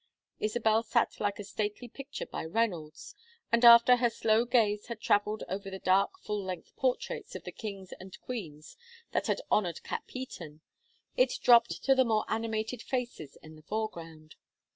Isabel sat like a stately picture by Reynolds, and after her slow gaze had travelled over the dark full length portraits of the kings and queens that had honored Capheaton, it dropped to the more animated faces in the foreground.